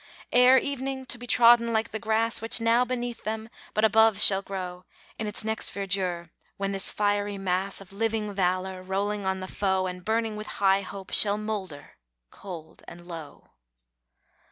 Ere evening to be trodden like the grass Which now beneath them, but above shall grow In its next verdure, when this fiery mass Of living valour, rolling on the foe, And burning with high hope, shall moulder cold and low.